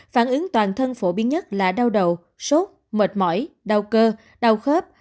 phản ứng toàn thân phổ biến nhất là đau đầu sốt mệt mỏi đau cơ đau khớp